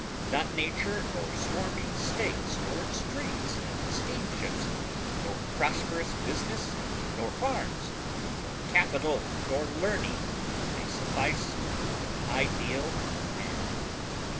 Not nature nor swarming states nor streets and steamships nor prosperous business nor farms nor capital nor learning may suffice for the ideal of man